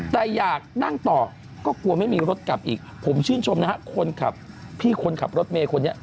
แต่อยากนั่งต่อก็กลัวไม่มีรถกลับอีกผมชื่นชมนะฮะคนขับพี่คนขับรถเมย์คนนี้